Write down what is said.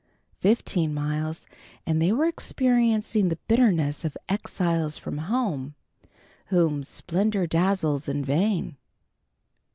Fifteen miles, and they were experiencing the bitterness of "exiles from home" whom "splendor dazzles in vain."